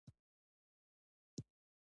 لږ وروسته یې صالح له قدرته لیرې کړ.